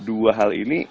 dua hal ini